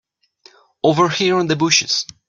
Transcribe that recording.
Over here in the bushes.